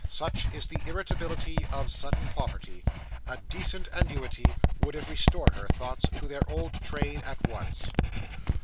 Such is the irritability of sudden poverty. A decent annuity would have restored her thoughts to their old train, at once.